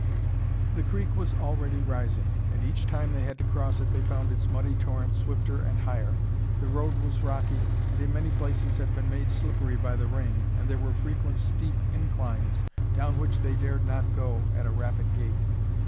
The creek was already rising, and each time they had to cross it they found its muddy torrent swifter and higher. The road was rocky, and in many places had been made slippery by the rain, and there were frequent steep inclines down which they dared not go at a rapid gait.